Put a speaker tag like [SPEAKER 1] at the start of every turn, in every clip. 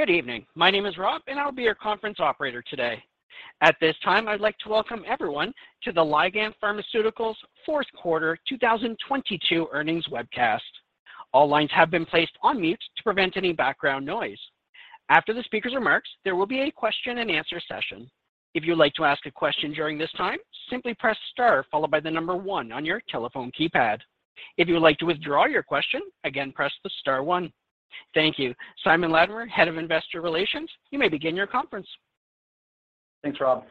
[SPEAKER 1] Good evening. My name is Rob, and I'll be your conference operator today. At this time, I'd like to welcome everyone to the Ligand Pharmaceuticals Fourth Quarter 2022 earnings webcast. All lines have been placed on mute to prevent any background noise. After the speaker's remarks, there will be a question and answer session. If you'd like to ask a question during this time, simply press star followed by the number one on your telephone keypad. If you would like to withdraw your question, again, press the star one. Thank you. Simon Latimer, Head of Investor Relations, you may begin your conference.
[SPEAKER 2] Thanks, Rob.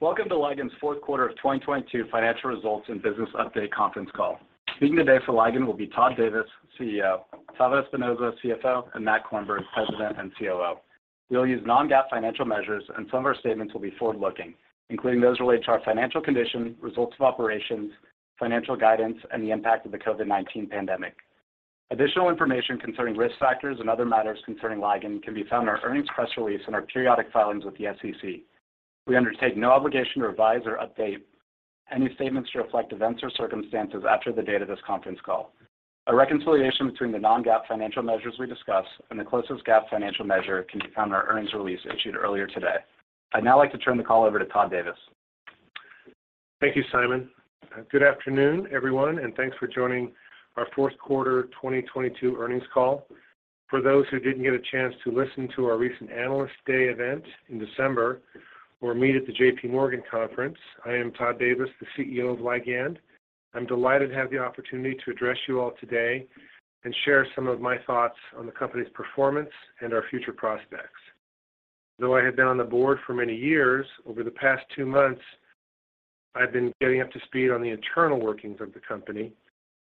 [SPEAKER 2] Welcome to Ligand's fourth quarter of 2022 financial results and business update conference call. Speaking today for Ligand will be Todd Davis, CEO; Tavo Espinoza, CFO; and Matt Korenberg, President and COO. We'll use non-GAAP financial measures, and some of our statements will be forward-looking, including those related to our financial condition, results of operations, financial guidance, and the impact of the COVID-19 pandemic. Additional information concerning risk factors and other matters concerning Ligand can be found in our earnings press release and our periodic filings with the SEC. We undertake no obligation to revise or update any statements to reflect events or circumstances after the date of this conference call. A reconciliation between the non-GAAP financial measures we discuss and the closest GAAP financial measure can be found in our earnings release issued earlier today. I'd now like to turn the call over to Todd Davis.
[SPEAKER 3] Thank you, Simon. Good afternoon, everyone, and thanks for joining our fourth quarter 2022 earnings call. For those who didn't get a chance to listen to our recent Analyst Day event in December or meet at the JP Morgan conference, I am Todd Davis, the CEO of Ligand. I'm delighted to have the opportunity to address you all today and share some of my thoughts on the company's performance and our future prospects. Though I have been on the board for many years, over the past twomonths, I've been getting up to speed on the internal workings of the company.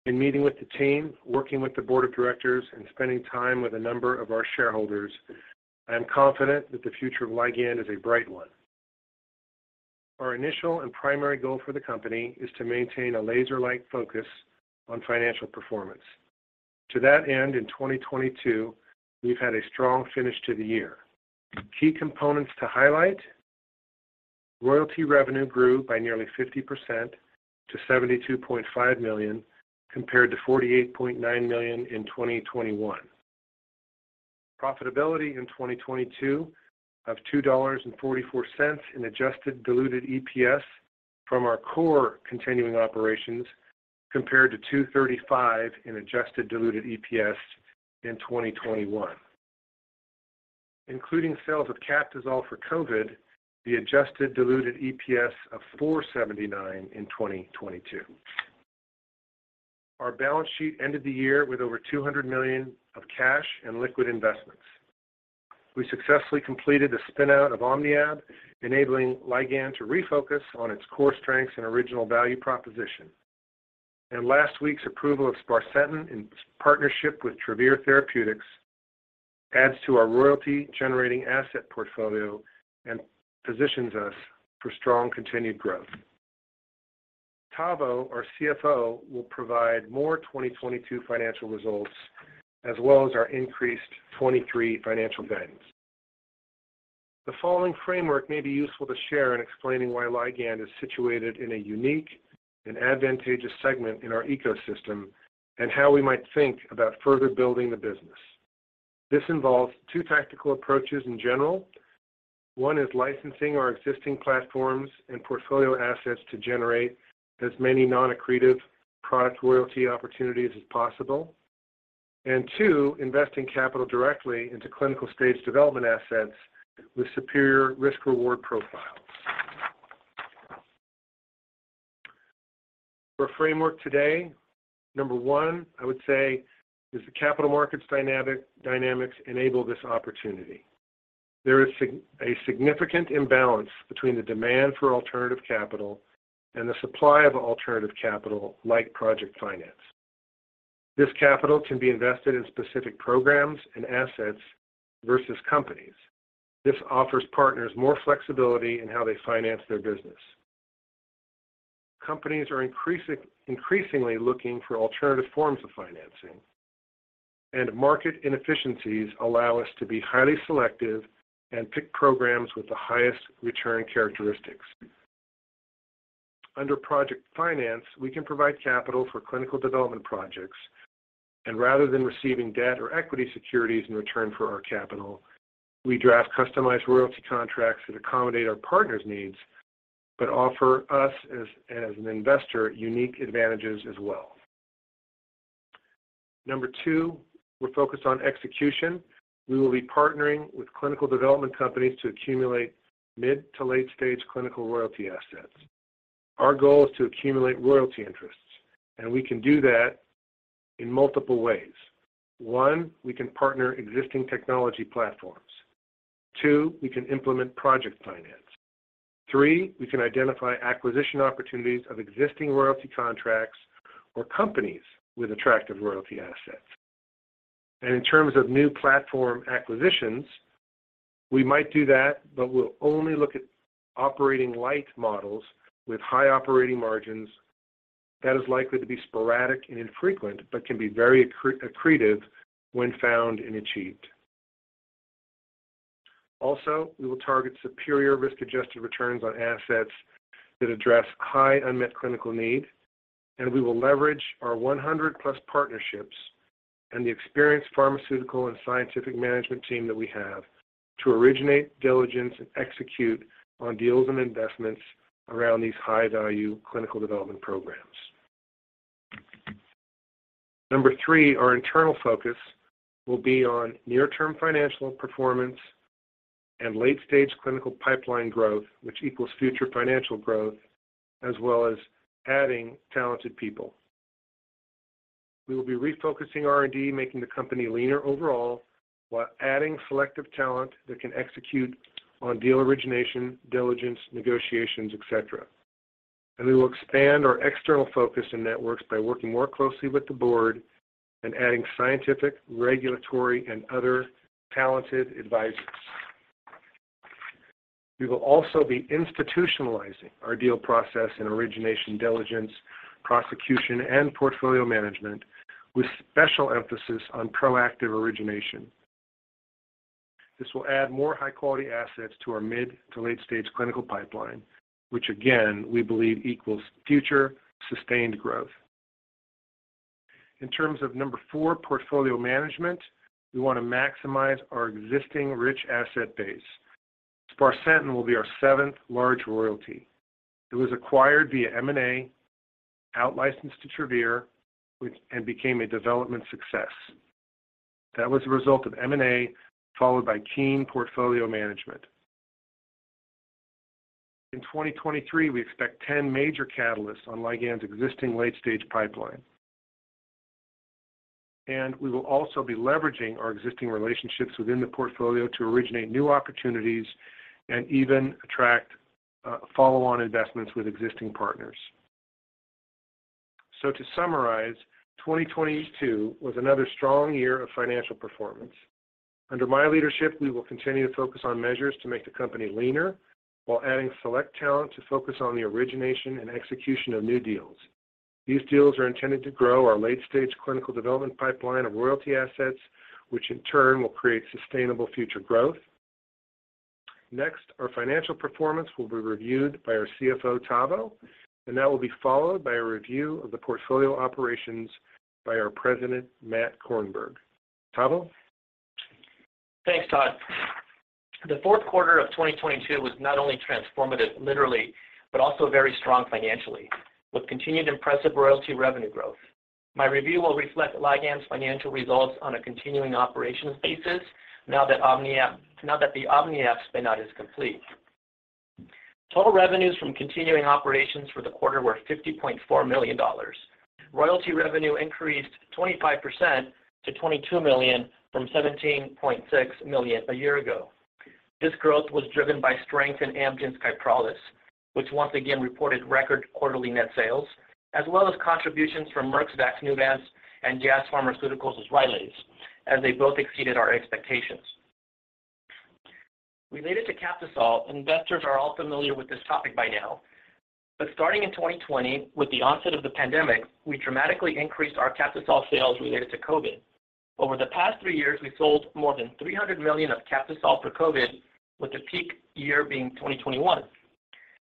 [SPEAKER 3] In meeting with the team, working with the board of directors, and spending time with a number of our shareholders, I am confident that the future of Ligand is a bright one. Our initial and primary goal for the company is to maintain a laser-like focus on financial performance. To that end, in 2022, we've had a strong finish to the year. Key components to highlight, royalty revenue grew by nearly 50% to $72.5 million, compared to $48.9 million in 2021. Profitability in 2022 of $2.44 in Adjusted diluted EPS from our core continuing operations, compared to $2.35 in Adjusted diluted EPS in 2021. Including sales of Captisol for COVID, the Adjusted diluted EPS of $4.79 in 2022. Our balance sheet ended the year with over $200 million of cash and liquid investments. We successfully completed the spin-out of OmniAb, enabling Ligand to refocus on its core strengths and original value proposition. Last week's approval of sparsentan in partnership with Travere Therapeutics adds to our royalty-generating asset portfolio and positions us for strong continued growth. Tavo, our CFO, will provide more 2022 financial results as well as our increased 2023 financial guidance. The following framework may be useful to share in explaining why Ligand is situated in a unique and advantageous segment in our ecosystem and how we might think about further building the business. This involves two tactical approaches in general. One is licensing our existing platforms and portfolio assets to generate as many non-accretive product royalty opportunities as possible. Two, investing capital directly into clinical-stage development assets with superior risk-reward profiles. For framework today, number one, I would say is the capital markets dynamics enable this opportunity. There is a significant imbalance between the demand for alternative capital and the supply of alternative capital like project finance. This capital can be invested in specific programs and assets versus companies. This offers partners more flexibility in how they finance their business. Companies are increasingly looking for alternative forms of financing. Market inefficiencies allow us to be highly selective and pick programs with the highest return characteristics. Under project finance, we can provide capital for clinical development projects. Rather than receiving debt or equity securities in return for our capital, we draft customized royalty contracts that accommodate our partners' needs but offer us as an investor unique advantages as well. Number two, we're focused on execution. We will be partnering with clinical development companies to accumulate mid to late-stage clinical royalty assets. Our goal is to accumulate royalty interests. We can do that in multiple ways. One, we can partner existing technology platforms. Two, we can implement project finance. Three, we can identify acquisition opportunities of existing royalty contracts or companies with attractive royalty assets. In terms of new platform acquisitions, we might do that, but we'll only look at operating light models with high operating margins that is likely to be sporadic and infrequent, but can be very accretive when found and achieved. Also, we will target superior risk-adjusted returns on assets that address high unmet clinical need, and we will leverage our 100 plus partnerships and the experienced pharmaceutical and scientific management team that we have to originate, diligence, and execute on deals and investments around these high-value clinical development programs. Number three, our internal focus will be on near-term financial performance and late-stage clinical pipeline growth, which equals future financial growth, as well as adding talented people. We will be refocusing R&D, making the company leaner overall, while adding selective talent that can execute on deal origination, diligence, negotiations, et cetera. We will expand our external focus and networks by working more closely with the board and adding scientific, regulatory, and other talented advisors. We will also be institutionalizing our deal process in origination, diligence, prosecution, and portfolio management with special emphasis on proactive origination. This will add more high-quality assets to our mid to late-stage clinical pipeline, which again, we believe equals future sustained growth. In terms of number four, portfolio management, we want to maximize our existing rich asset base. Sparsentan will be our seventh large royalty. It was acquired via M&A, out-licensed to Travere, became a development success. That was a result of M&A followed by keen portfolio management. In 2023, we expect 10 major catalysts on Ligand's existing late-stage pipeline. We will also be leveraging our existing relationships within the portfolio to originate new opportunities and even attract follow-on investments with existing partners. To summarize, 2022 was another strong year of financial performance. Under my leadership, we will continue to focus on measures to make the company leaner while adding select talent to focus on the origination and execution of new deals. These deals are intended to grow our late-stage clinical development pipeline of royalty assets, which in turn will create sustainable future growth. Next, our financial performance will be reviewed by our CFO, Tavo, that will be followed by a review of the portfolio operations by our President, Matt Korenberg. Tavo?
[SPEAKER 4] Thanks, Todd. The fourth quarter of 2022 was not only transformative literally, but also very strong financially with continued impressive royalty revenue growth. My review will reflect Ligand's financial results on a continuing operations basis now that the OmniAb spin-out is complete. Total revenues from continuing operations for the quarter were $50.4 million. Royalty revenue increased 25% to $22 million from $17.6 million a year ago. This growth was driven by strength in Amgen's Kyprolis, which once again reported record quarterly net sales, as well as contributions from Merck's Vaxneuvance and Jazz Pharmaceuticals' Xywav as they both exceeded our expectations. Related to Captisol, investors are all familiar with this topic by now, but starting in 2020 with the onset of the pandemic, we dramatically increased our Captisol sales related to COVID. Over the past three years, we sold more than $300 million of Captisol for COVID, with the peak year being 2021.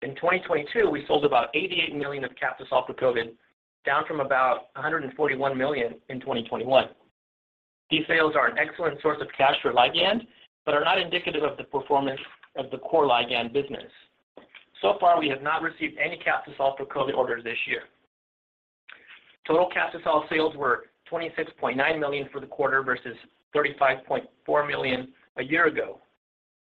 [SPEAKER 4] In 2022, we sold about $88 million of Captisol for COVID, down from about $141 million in 2021. These sales are an excellent source of cash for Ligand but are not indicative of the performance of the core Ligand business. So far, we have not received any Captisol for COVID orders this year. Total Captisol sales were $26.9 million for the quarter versus $35.4 million a year ago.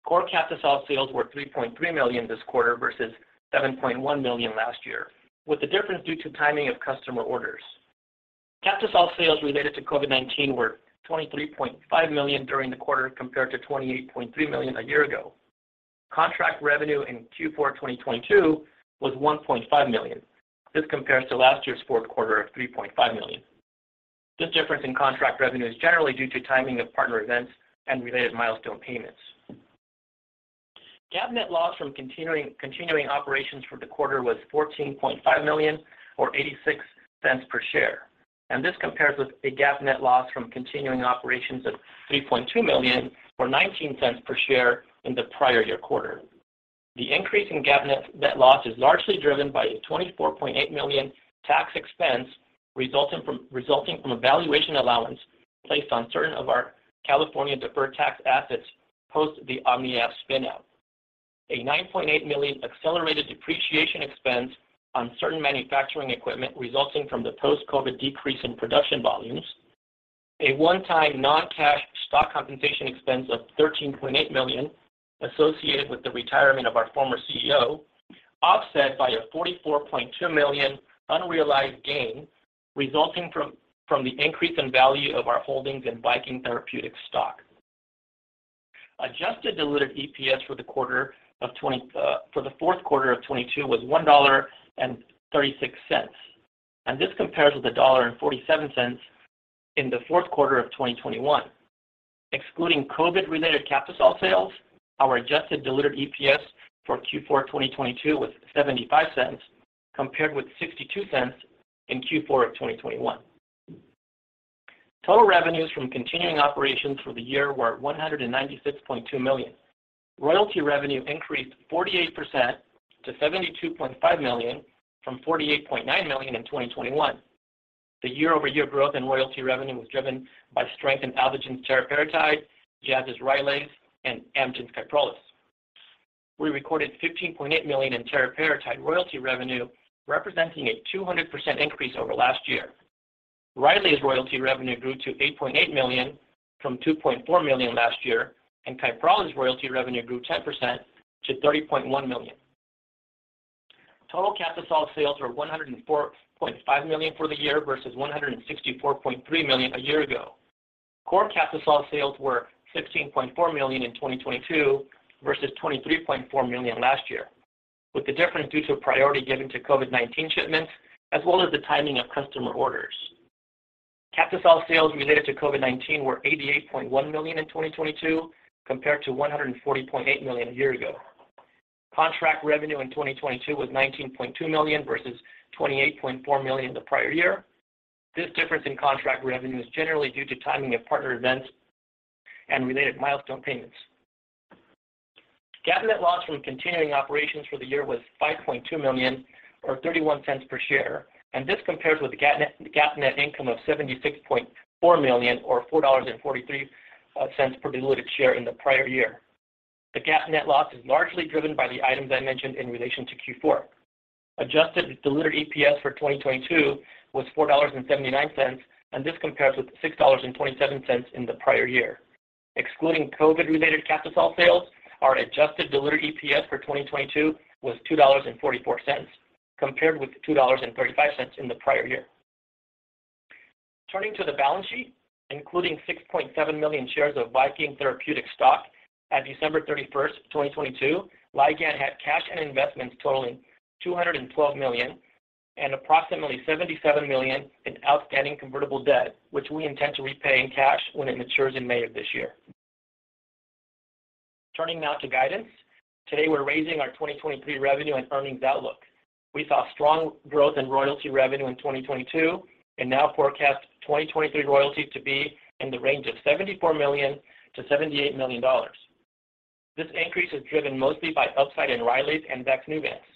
[SPEAKER 4] Core Captisol sales were $3.3 million this quarter versus $7.1 million last year, with the difference due to timing of customer orders. Captisol sales related to COVID-19 were $23.5 million during the quarter compared to $28.3 million a year ago. Contract revenue in Q4 2022 was $1.5 million. This compares to last year's fourth quarter of $3.5 million. This difference in contract revenue is generally due to timing of partner events and related milestone payments. GAAP net loss from continuing operations for the quarter was $14.5 million or $0.86 per share. This compares with a GAAP net loss from continuing operations of $3.2 million or $0.19 per share in the prior year quarter. The increase in GAAP net loss is largely driven by a $24.8 million tax expense resulting from a valuation allowance placed on certain of our California deferred tax assets post the OmniAb spin-out. A $9.8 million accelerated depreciation expense on certain manufacturing equipment resulting from the post-COVID decrease in production volumes. A one-time non-cash stock compensation expense of $13.8 million associated with the retirement of our former CEO, offset by a $44.2 million unrealized gain resulting from the increase in value of our holdings in Viking Therapeutics stock. Adjusted diluted EPS for the fourth quarter of 2022 was $1.36. This compares with $1.47 in the fourth quarter of 2021. Excluding COVID-related Captisol sales, our adjusted diluted EPS for Q4 2022 was $0.75, compared with $0.62 in Q4 of 2021. Total revenues from continuing operations for the year were $196.2 million. Royalty revenue increased 48% to $72.5 million from $48.9 million in 2021. The year-over-year growth in royalty revenue was driven by strength in Alvogen's teriparatide, Jazz's RyLaze, and Amgen's Kyprolis. We recorded $15.8 million in teriparatide royalty revenue, representing a 200% increase over last year. RyLaze royalty revenue grew to $8.8 million from $2.4 million last year, and Kyprolis royalty revenue grew 10% to $30.1 million. Total Captisol sales were $104.5 million for the year versus $164.3 million a year ago. Core Captisol sales were $16.4 million in 2022 versus $23.4 million last year, with the difference due to priority given to COVID-19 shipments as well as the timing of customer orders. Captisol sales related to COVID-19 were $88.1 million in 2022 compared to $140.8 million a year ago. Contract revenue in 2022 was $19.2 million versus $28.4 million the prior year. This difference in contract revenue is generally due to timing of partner events and related milestone payments. GAAP net loss from continuing operations for the year was $5.2 million or $0.31 per share, and this compares with GAAP net income of $76.4 million or $4.43 cents per diluted share in the prior year. The GAAP net loss is largely driven by the items I mentioned in relation to Q4. Adjusted diluted EPS for 2022 was $4.79, and this compares with $6.27 in the prior year. Excluding COVID-related Captisol sales, our Adjusted diluted EPS for 2022 was $2.44, compared with $2.35 in the prior year. Turning to the balance sheet, including 6.7 million shares of Viking Therapeutics stock at December 31st, 2022, Ligand had cash and investments totaling $212 million and approximately $77 million in outstanding convertible debt, which we intend to repay in cash when it matures in May of this year. Turning now to guidance, today we're raising our 2023 revenue and earnings outlook. We saw strong growth in royalty revenue in 2022 and now forecast 2023 royalties to be in the range of $74 million-$78 million. This increase is driven mostly by upside in RyLaze and Vaxneuvance.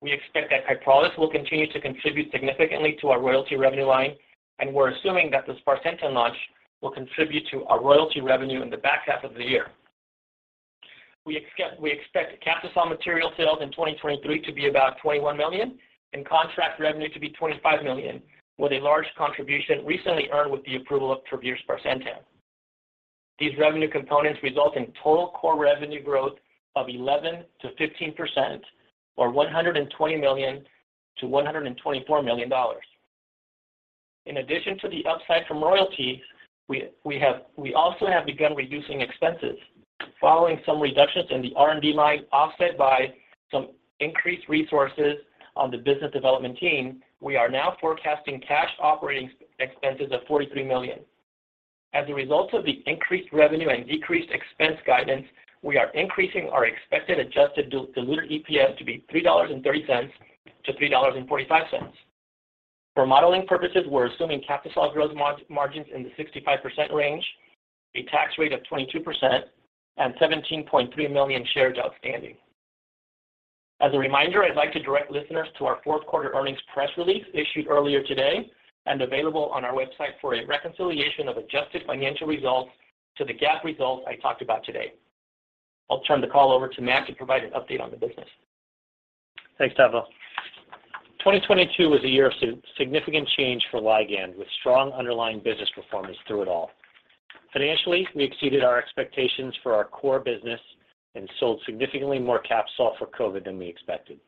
[SPEAKER 4] We expect that Kyprolis will continue to contribute significantly to our royalty revenue line. We're assuming that the sparsentan launch will contribute to our royalty revenue in the back half of the year. We expect Captisol material sales in 2023 to be about $21 million and contract revenue to be $25 million, with a large contribution recently earned with the approval of Travere sparsentan. These revenue components result in total core revenue growth of 11%-15% or $120 million-$124 million. In addition to the upside from royalties, we also have begun reducing expenses. Following some reductions in the R&D line offset by some increased resources on the business development team, we are now forecasting cash operating expenses of $43 million. As a result of the increased revenue and decreased expense guidance, we are increasing our expected adjusted diluted EPS to be $3.30-$3.45. For modeling purposes, we're assuming Captisol growth margins in the 65% range, a tax rate of 22%, and 17.3 million shares outstanding. As a reminder, I'd like to direct listeners to our fourth quarter earnings press release issued earlier today and available on our website for a reconciliation of adjusted financial results to the GAAP results I talked about today. I'll turn the call over to Matt to provide an update on the business.
[SPEAKER 5] Thanks, Tavo. 2022 was a year of significant change for Ligand, with strong underlying business performance through it all. Financially, we exceeded our expectations for our core business and sold significantly more Captisol for COVID than we expected.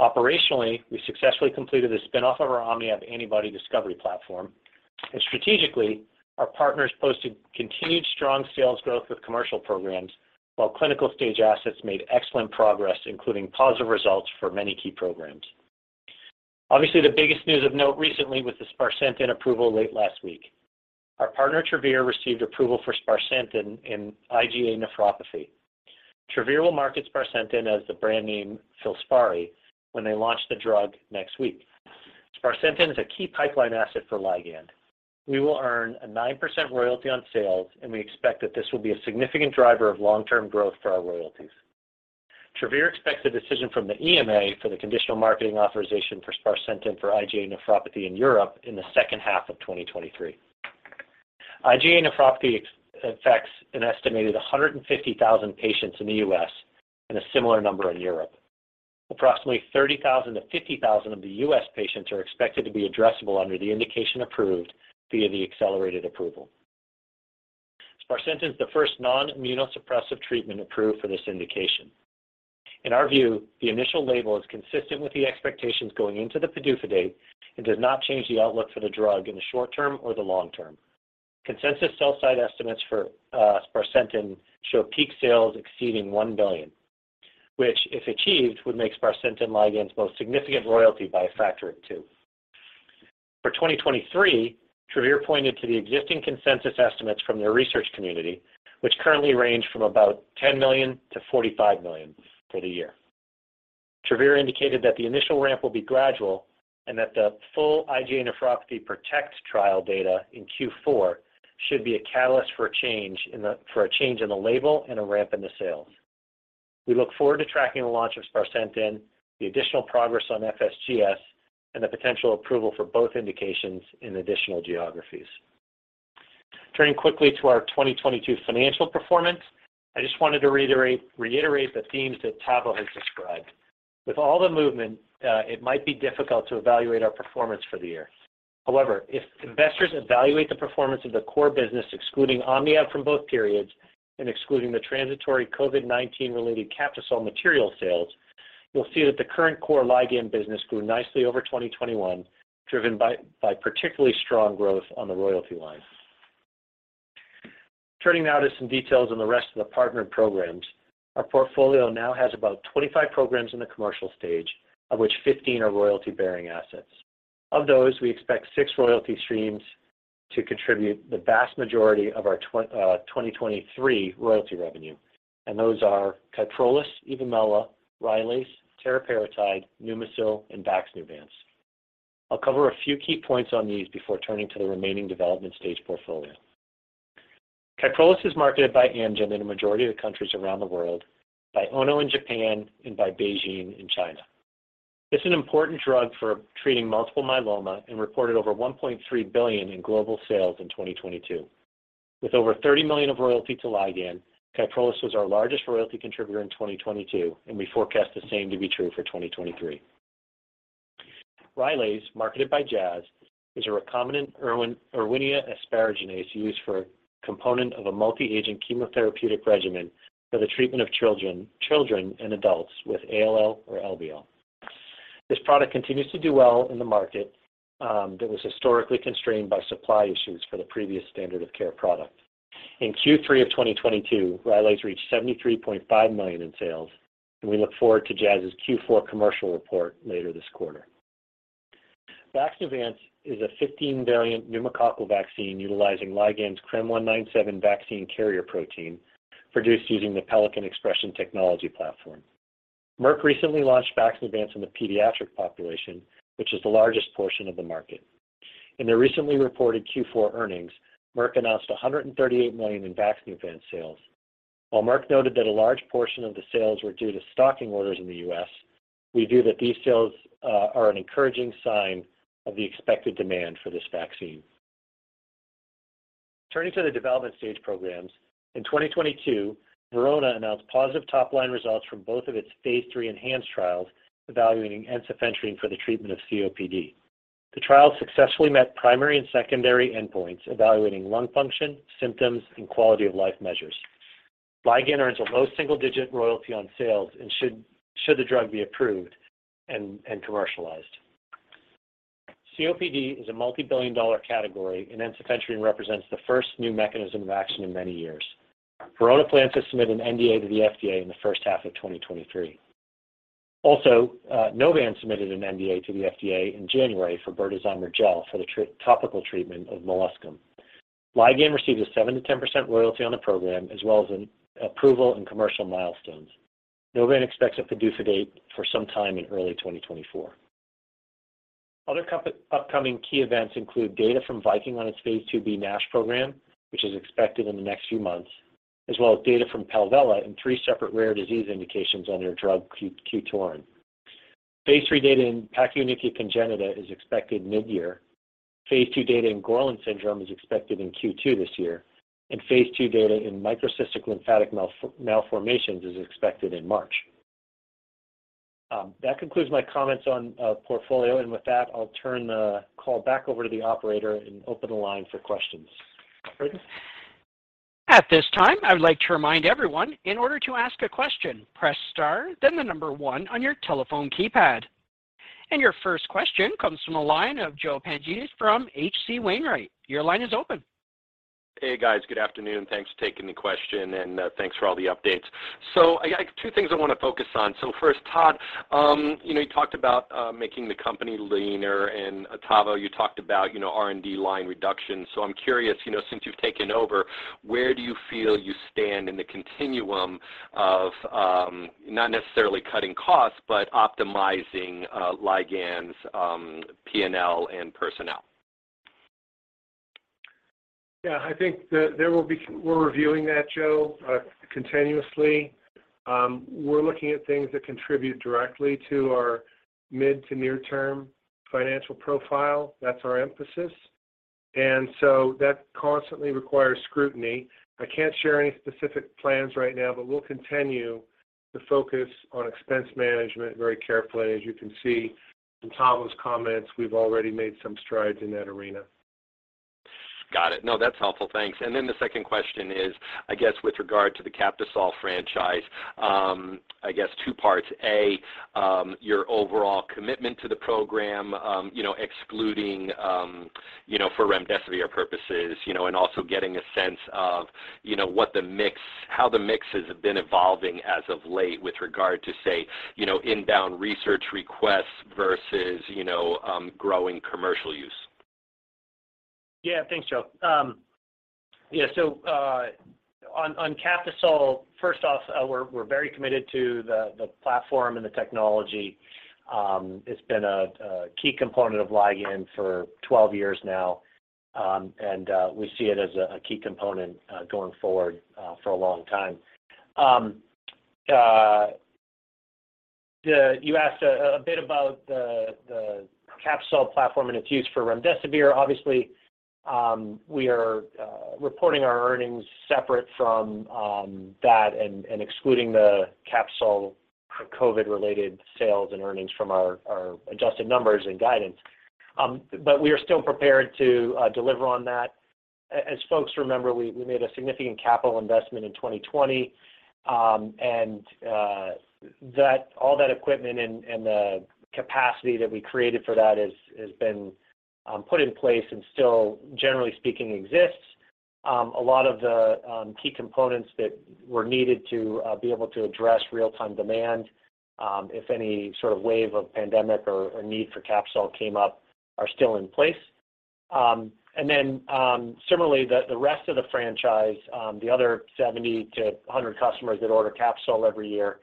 [SPEAKER 5] Operationally, we successfully completed the spin-off of our OmniAb antibody discovery platform. Strategically, our partners posted continued strong sales growth with commercial programs while clinical-stage assets made excellent progress, including positive results for many key programs. Obviously, the biggest news of note recently was the sparsentan approval late last week. Our partner, Travere, received approval for sparsentan in IgA nephropathy. Travere will market sparsentan as the brand name FILSPARI when they launch the drug next week. Sparsentan is a key pipeline asset for Ligand. We will earn a 9% royalty on sales. We expect that this will be a significant driver of long-term growth for our royalties. Travere expects a decision from the EMA for the conditional marketing authorization for sparsentan for IgA nephropathy in Europe in the second half of 2023. IgA nephropathy affects an estimated 150,000 patients in the U.S. and a similar number in Europe. Approximately 30,000 to 50,000 of the U.S. patients are expected to be addressable under the indication approved via the Accelerated Approval. Sparsentan is the first non-immunosuppressive treatment approved for this indication. In our view, the initial label is consistent with the expectations going into the PDUFA date and does not change the outlook for the drug in the short term or the long term. Consensus sell side estimates for sparsentan show peak sales exceeding $1 billion, which, if achieved, would make sparsentan Ligand's most significant royalty by a factor of two. For 2023, Travere pointed to the existing consensus estimates from their research community, which currently range from about $10 million-$45 million for the year. Travere indicated that the initial ramp will be gradual and that the full IgA nephropathy PROTECT trial data in Q4 should be a catalyst for a change in the label and a ramp in the sales. We look forward to tracking the launch of sparsentan, the additional progress on FSGS, and the potential approval for both indications in additional geographies. Turning quickly to our 2022 financial performance, I just wanted to reiterate the themes that Tavo has described. With all the movement, it might be difficult to evaluate our performance for the year. If investors evaluate the performance of the core business, excluding OmniAb from both periods and excluding the transitory COVID-19 related Captisol material sales, you'll see that the current core Ligand business grew nicely over 2021, driven by particularly strong growth on the royalty line. Turning now to some details on the rest of the partner programs, our portfolio now has about 25 programs in the commercial stage, of which 15 are royalty-bearing assets. Of those, we expect six royalty streams to contribute the vast majority of our 2023 royalty revenue, and those are Kyprolis, EVOMELA, RYLAZE, teriparatide, Pneumosil and Vaxneuvance. I'll cover a few key points on these before turning to the remaining development stage portfolio. Kyprolis is marketed by Amgen in a majority of the countries around the world, by Ono in Japan, and by Beijing in China. It's an important drug for treating multiple myeloma and reported over $1.3 billion in global sales in 2022. With over $30 million of royalty to Ligand, Kyprolis was our largest royalty contributor in 2022, and we forecast the same to be true for 2023. RYLAZE, marketed by Jazz, is a recombinant Erwinia asparaginase used for component of a multi-agent chemotherapeutic regimen for the treatment of children and adults with ALL or LBL. This product continues to do well in the market that was historically constrained by supply issues for the previous standard of care product. In Q3 of 2022, RYLAZE reached $73.5 million in sales, and we look forward to Jazz's Q4 commercial report later this quarter. Vaxneuvance is a 15-valent pneumococcal vaccine utilizing Ligand's CRM197 vaccine carrier protein produced using the Pelican Expression Technology platform. Merck recently launched Vaxneuvance in the pediatric population, which is the largest portion of the market. In their recently reported Q4 earnings, Merck announced $138 million in Vaxneuvance sales. While Merck noted that a large portion of the sales were due to stocking orders in the U.S., we view that these sales are an encouraging sign of the expected demand for this vaccine. Turning to the development stage programs, in 2022, Verona Pharma announced positive top-line results from both of its phase III ENHANCE trials evaluating ensifentrine for the treatment of COPD. The trial successfully met primary and secondary endpoints evaluating lung function, symptoms, and quality-of-life measures. Ligand Pharmaceuticals earns a low single-digit royalty on sales and should the drug be approved and commercialized. COPD is a multi-billion-dollar category, and ensifentrine represents the first new mechanism of action in many years. Verona plans to submit an NDA to the FDA in the first half of 2023. Novan submitted an NDA to the FDA in January for berdazimer gel for the topical treatment of molluscum. Ligand receives a 7%-10% royalty on the program as well as an approval and commercial milestones. Novan expects a PDUFA date for some time in early 2024. Other upcoming key events include data from Viking on itsphase IIb NASH program, which is expected in the next few months, as well as data from Palvella in three separate rare disease indications on their drug qtorin. Phase III data in Pachyonychia Congenita is expected mid-year.phase II data in Gorlin syndrome is expected in Q2 this year.phase II data in microcystic lymphatic malformations is expected in March. That concludes my comments on portfolio. With that, I'll turn the call back over to the operator and open the line for questions. Operator?
[SPEAKER 1] At this time, I would like to remind everyone, in order to ask a question, press star then the one on your telephone keypad. Your first question comes from the line of Joe Pantginis from H.C. Wainwright. Your line is open.
[SPEAKER 6] Hey, guys. Good afternoon. Thanks for taking the question, and thanks for all the updates. I got two things I want to focus on. First, Todd, you know, you talked about making the company leaner and Tavo, you talked about, you know, R&D line reduction. I'm curious, you know, since you've taken over, where do you feel you stand in the continuum of not necessarily cutting costs, but optimizing Ligand's P&L and personnel?
[SPEAKER 3] Yeah. I think that there will be We're reviewing that, Joe, continuously. We're looking at things that contribute directly to our mid to near term financial profile. That's our emphasis. That constantly requires scrutiny. I can't share any specific plans right now, but we'll continue to focus on expense management very carefully. As you can see from Tavo's comments, we've already made some strides in that arena.
[SPEAKER 6] Got it. No, that's helpful. Thanks. Then the second question is, I guess with regard to the Captisol franchise, I guess two parts. A, your overall commitment to the program, you know, excluding, you know, for Remdesivir purposes, you know, and also getting a sense of, you know, how the mix has been evolving as of late with regard to say, you know, inbound research requests versus, you know, growing commercial use.
[SPEAKER 3] Yeah. Thanks, Joe. Yeah, on Captisol, first off, we're very committed to the platform and the technology. It's been a key component of Ligand for 12 years now, and we see it as a key component going forward for a long time. You asked a bit about the Captisol platform and its use for Remdesivir. Obviously, we are reporting our earnings separate from that and excluding the Captisol COVID-related sales and earnings from our adjusted numbers and guidance. We are still prepared to deliver on that. As folks remember, we made a significant capital investment in 2020, and all that equipment and the capacity that we created for that has been put in place and still, generally speaking, exists. A lot of the key components that were needed to be able to address real-time demand, if any sort of wave of pandemic or need for Captisol came up, are still in place. Similarly, the rest of the franchise, the other 70-100 customers that order Captisol every year,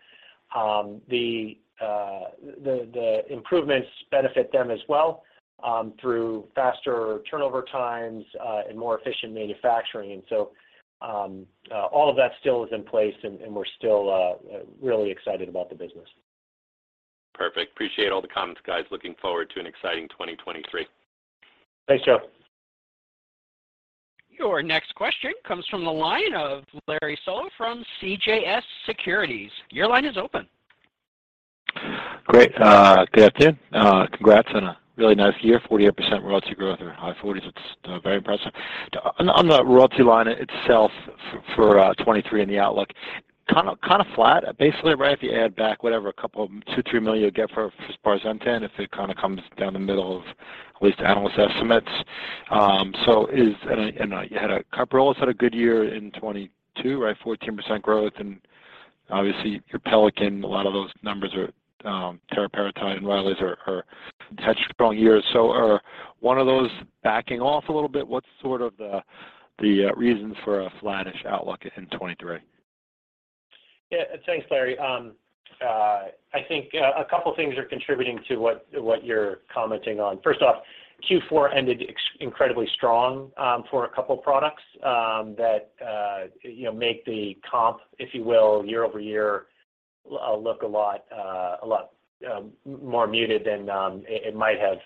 [SPEAKER 3] the improvements benefit them as well, through faster turnover times and more efficient manufacturing. All of that still is in place, and we're still really excited about the business.
[SPEAKER 6] Perfect. Appreciate all the comments, guys. Looking forward to an exciting 2023.
[SPEAKER 3] Thanks, Joe.
[SPEAKER 1] Your next question comes from the line of Larry Solow from CJS Securities. Your line is open.
[SPEAKER 7] Great. good afternoon. congrats on a really nice year, 48% royalty growth or high 40s. It's very impressive. On the royalty line itself for 2023 and the outlook, kinda flat, basically, right? If you add back whatever a $2 million-$3 million you'll get for FILSPARI if it kinda comes down the middle of at least analyst estimates. So is. And, you had a Kyprolis had a good year in 2022, right? 14% growth. Obviously your Pelican, a lot of those numbers are, teriparatide and RYLAZE are had strong years. Are one of those backing off a little bit? What's sort of the reason for a flattish outlook in 2023?
[SPEAKER 3] Yeah. Thanks, Larry. I think a couple things are contributing to what you're commenting on. First off, Q4 ended incredibly strong for a couple products that, you know, make the comp, if you will, year-over-year, look a lot, a lot more muted than it might have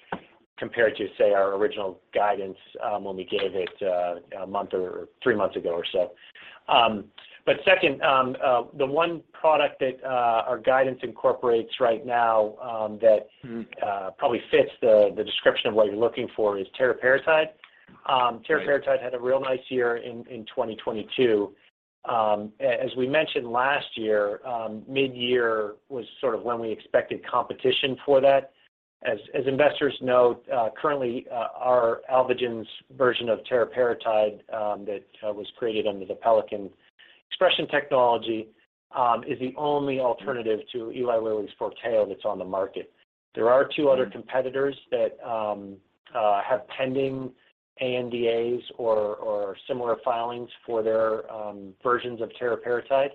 [SPEAKER 3] compared to, say, our original guidance when we gave it a month or three months ago or so. Second, the one product that our guidance incorporates right now that probably fits the description of what you're looking for is Teriparatide. Teriparatide had a real nice year in 2022. As we mentioned last year, midyear was sort of when we expected competition for that. As investors know, currently, our Alvogen's version of teriparatide, that was created under the Pelican Expression Technology, is the only alternative to Eli Lilly's FORTEO that's on the market. There are two other competitors that have pending ANDAs or similar filings for their versions of teriparatide.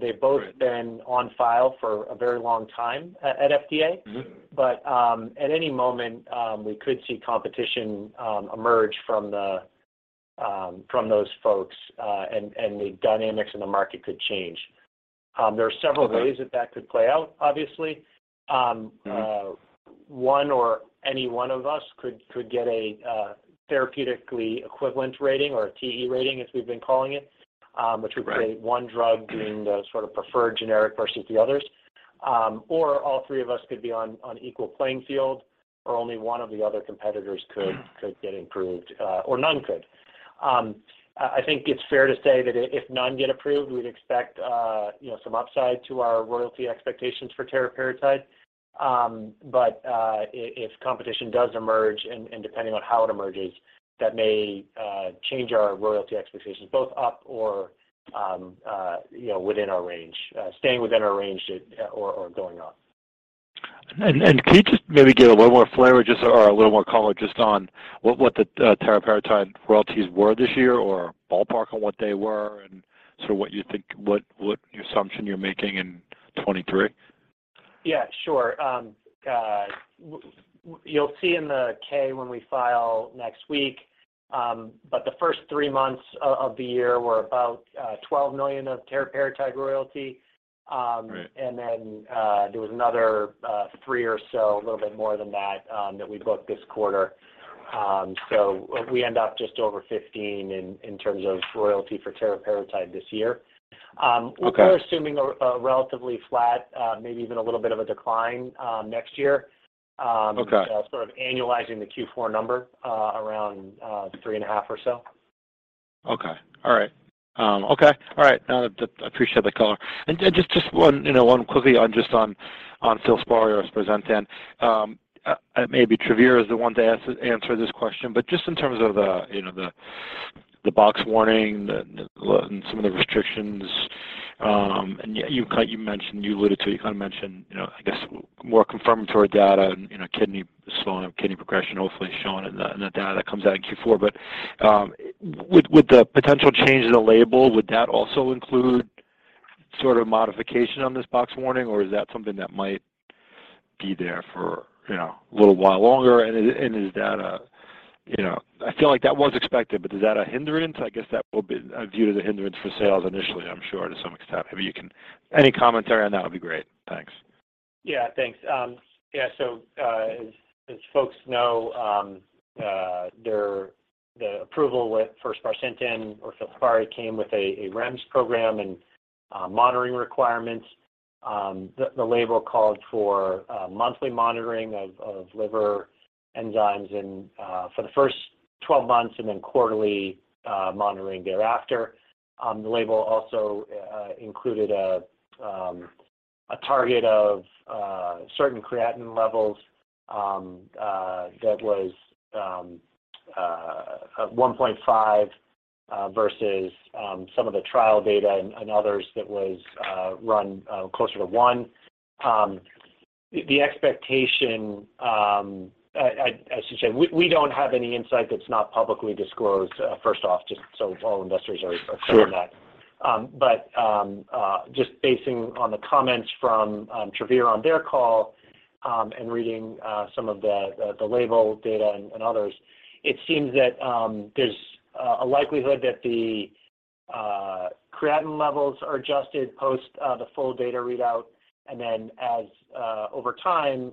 [SPEAKER 3] They've both been on file for a very long time at FDA.
[SPEAKER 7] Mm-hmm.
[SPEAKER 3] At any moment, we could see competition emerge from the from those folks, and the dynamics in the market could change. There are several ways that that could play out, obviously. One or any one of us could get a therapeutically equivalent rating or a TE rating, as we've been calling it, which would create one drug being the sort of preferred generic versus the others. Or all three of us could be on equal playing field, or only one of the other competitors could get approved, or none could. I think it's fair to say that if none get approved, we'd expect, you know, some upside to our royalty expectations for Teriparatide. If competition does emerge and depending on how it emerges, that may change our royalty expectations both up or, you know, within our range, staying within our range or going up.
[SPEAKER 7] Can you just maybe give a little more flavor or a little more color just on what the Teriparatide royalties were this year or ballpark on what they were and sort of what your assumption you're making in 2023?
[SPEAKER 3] Yeah, sure. you'll see in the K when we file next week, but the first three months of the year were about $12 million of Teriparatide royalty.
[SPEAKER 7] Right.
[SPEAKER 3] There was another, three or so, a little bit more than that we booked this quarter. We end up just over $15 in terms of royalty for teriparatide this year.
[SPEAKER 7] Okay.
[SPEAKER 3] We are assuming a relatively flat, maybe even a little bit of a decline, next year.
[SPEAKER 7] Okay.
[SPEAKER 3] Sort of annualizing the Q4 number, around 3.5 or so.
[SPEAKER 7] Okay. All right. Okay. All right. No, I appreciate the color. Just one, you know, one quickly on FILSPARI or sparsentan. Maybe Travere is the one to answer this question, but just in terms of the, you know, the The box warning, the, and some of the restrictions, and yeah, you mentioned, you alluded to, you kinda mentioned, you know, I guess more confirmatory data in a kidney slowing, kidney progression hopefully shown in the, in the data that comes out in Q4. Would the potential change in the label, would that also include sort of modification on this box warning? Or is that something that might be there for, you know, a little while longer? Is that a, you know... I feel like that was expected, but is that a hindrance? I guess that will be a view to the hindrance for sales initially, I'm sure to some extent. If you can... Any commentary on that would be great. Thanks.
[SPEAKER 5] Thanks. As folks know, the approval with for sparsentan or FILSPARI came with a REMS program and monitoring requirements. The label called for monthly monitoring of liver enzymes for the first 12 months and then quarterly monitoring thereafter. The label also included a target of certain creatinine levels that was 1.5 versus some of the trial data and others that was run closer to one. The expectation, I should say, we don't have any insight that's not publicly disclosed, first off, just so all investors are-
[SPEAKER 7] Sure...
[SPEAKER 5] aware of that. But just basing on the comments from Travere on their call, and reading some of the label data and others, it seems that there's a likelihood that the creatinine levels are adjusted post the full data readout. As over time,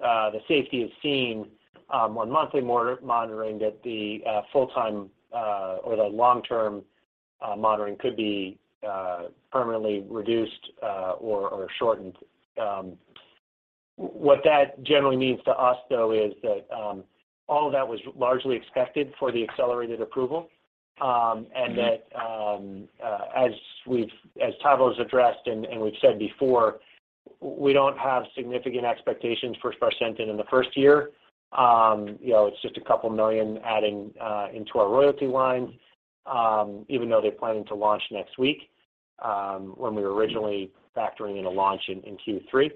[SPEAKER 5] the safety is seen on monthly monitoring that the full-time or the long-term monitoring could be permanently reduced or shortened. What that generally means to us though is that all of that was largely expected for the Accelerated Approval. And that-
[SPEAKER 7] Mm-hmm...
[SPEAKER 5] as Todd has addressed and we've said before, we don't have significant expectations for sparsentan in the first year. You know, it's just $2 million adding into our royalty line, even though they're planning to launch next week, when we were originally factoring in a launch in Q3.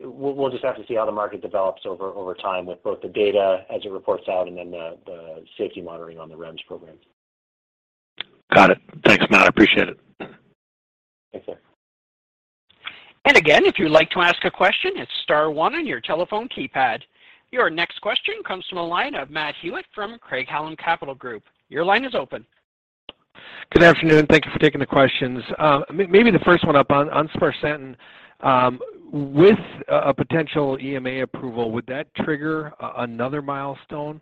[SPEAKER 5] We'll just have to see how the market develops over time with both the data as it reports out and then the safety monitoring on the REMS program.
[SPEAKER 7] Got it. Thanks, Matt. I appreciate it.
[SPEAKER 5] Thanks, sir.
[SPEAKER 1] Again, if you'd like to ask a question, it's star one on your telephone keypad. Your next question comes from the line of Matt Hewitt from Craig-Hallum Capital Group. Your line is open.
[SPEAKER 8] Good afternoon. Thank you for taking the questions. Maybe the first one up on sparsentan, with a potential EMA approval, would that trigger another milestone?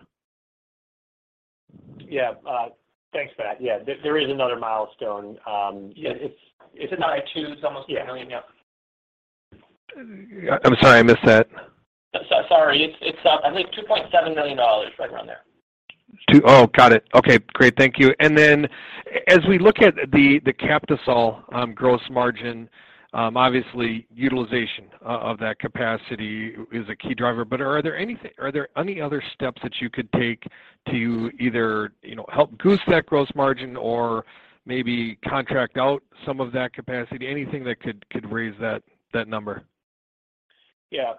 [SPEAKER 3] Yeah. thanks for that. Yeah. There is another milestone. yeah.
[SPEAKER 5] Is it 92? It's almost $2 million, yeah.
[SPEAKER 8] I'm sorry, I missed that.
[SPEAKER 3] Sorry. It's I think $2.7 million, right around there.
[SPEAKER 8] Oh, got it. Okay, great. Thank you. As we look at the Captisol gross margin, obviously utilization of that capacity is a key driver. Are there any other steps that you could take to either, you know, help boost that gross margin or maybe contract out some of that capacity? Anything that could raise that number?
[SPEAKER 3] Yeah.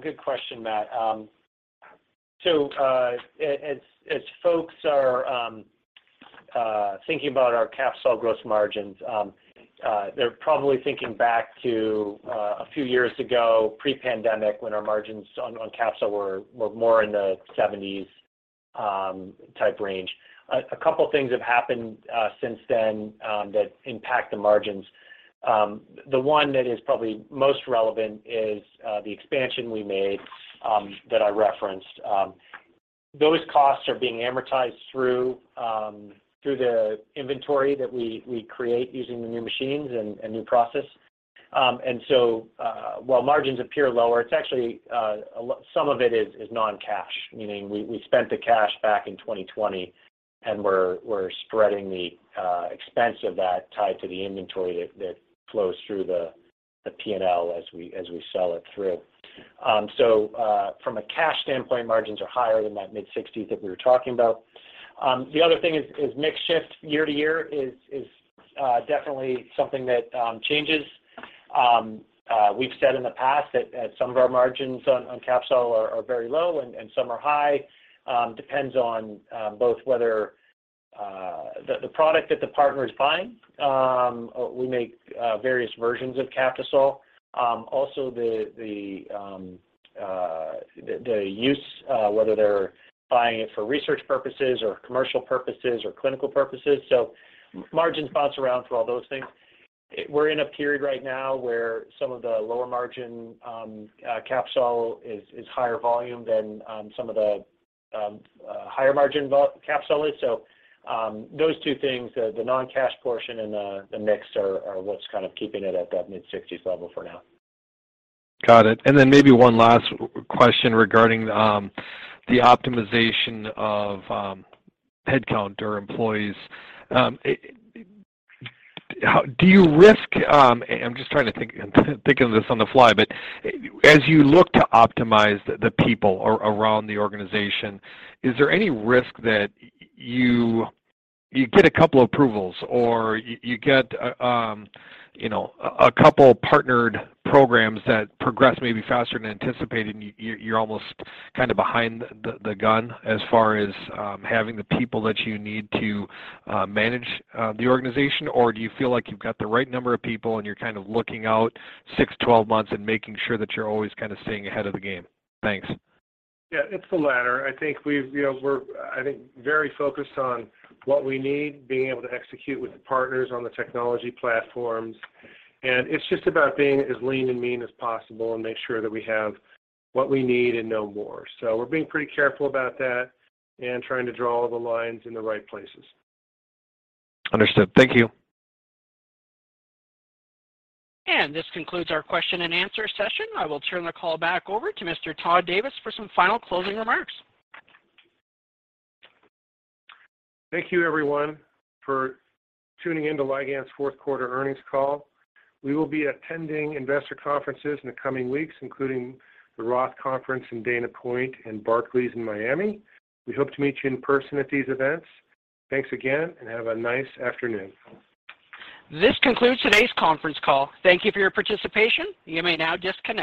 [SPEAKER 3] Good question, Matt. As folks are thinking about our Captisol gross margins, they're probably thinking back to a few years ago pre-pandemic when our margins on Captisol were more in the 70s type range. A couple things have happened since then that impact the margins. The one that is probably most relevant is the expansion we made that I referenced. Those costs are being amortized through the inventory that we create using the new machines and new process. While margins appear lower, it's actually some of it is non-cash, meaning we spent the cash back in 2020, and we're spreading the expense of that tied to the inventory that flows through the P&L as we sell it through. From a cash standpoint, margins are higher in that mid-60s that we were talking about. The other thing is mix shift year-over-year is definitely something that changes. We've said in the past that some of our margins on Captisol are very low and some are high. Depends on both whether the product that the partner is buying. We make various versions of Captisol. Also the use, whether they're buying it for research purposes or commercial purposes or clinical purposes. Margin bounce around through all those things. We're in a period right now where some of the lower margin Captisol is higher volume than some of the higher margin Captisol is. Those two things, the non-cash portion and the mix are what's kind of keeping it at that mid-sixties level for now.
[SPEAKER 8] Got it. Maybe one last question regarding the optimization of headcount or employees. I'm just trying to think of this on the fly. But as you look to optimize the people around the organization, is there any risk that you get a couple approvals or you get, you know, a couple partnered programs that progress maybe faster than anticipated, and you're almost kind of behind the gun as far as having the people that you need to manage the organization? Or do you feel like you've got the right number of people and you're kind of looking out six to twelve months and making sure that you're always kind of staying ahead of the game? Thanks.
[SPEAKER 3] Yeah, it's the latter. I think we've, you know, we're I think very focused on what we need, being able to execute with the partners on the technology platforms. It's just about being as lean and mean as possible and make sure that we have what we need and no more. We're being pretty careful about that and trying to draw the lines in the right places.
[SPEAKER 8] Understood. Thank you.
[SPEAKER 1] This concludes our question and answer session. I will turn the call back over to Mr. Todd Davis for some final closing remarks.
[SPEAKER 3] Thank you everyone for tuning in to Ligand's fourth quarter earnings call. We will be attending investor conferences in the coming weeks, including the ROTH Conference in Dana Point and Barclays in Miami. We hope to meet you in person at these events. Thanks again, and have a nice afternoon.
[SPEAKER 1] This concludes today's conference call. Thank you for your participation. You may now disconnect.